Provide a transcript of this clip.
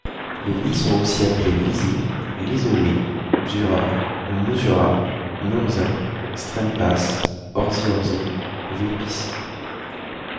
Les Lis sont aussi appelés Lisy, Lisowie, Bzura, Mzura, Murza, Strempacz, Orzi-Orzi, Vulpis.